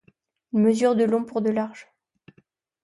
Il mesure de long pour de large.